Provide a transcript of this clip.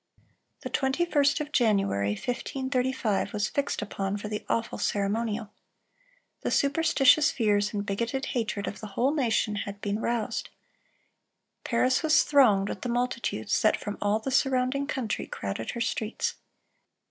The 21st of January, 1535, was fixed upon for the awful ceremonial. The superstitious fears and bigoted hatred of the whole nation had been roused. Paris was thronged with the multitudes that from all the surrounding country crowded her streets.